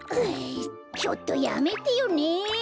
ちょっとやめてよね！